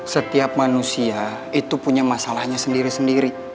setiap manusia itu punya masalahnya sendiri sendiri